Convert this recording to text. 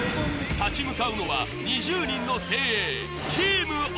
立ち向かうのは２０人の精鋭チーム鬼